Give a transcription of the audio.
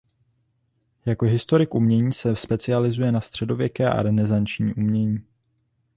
Jako historik umění se specializuje na středověké a renesanční umění.